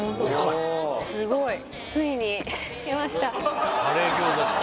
すごいついにきました